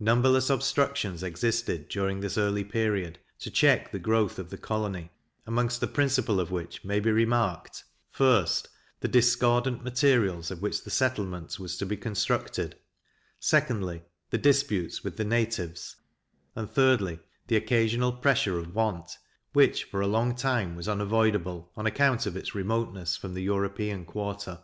Numberless obstructions existed, during this early period, to check the growth of the colony; amongst the principal of which may be remarked: 1st, the discordant materials of which the settlement was to be constructed; 2dly, the disputes with the natives; and 3dly, the occasional pressure of want, which, for a long time, was unavoidable, on account of its remoteness from the European quarter.